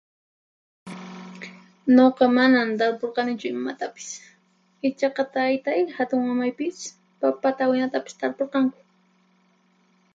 Nuqa manan tarpurqanichu imatapis, ichaqa taytay, hatunmamaypis papata awinatapis tarpurqanku.